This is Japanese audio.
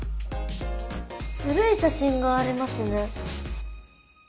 古い写真がありますね。